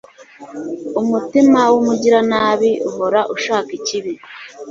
Umutima w’umugiranabi uhora ushaka ikibi